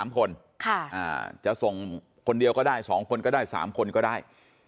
๓คนจะส่งคนเดียวก็ได้๒คนก็ได้๓คนก็ได้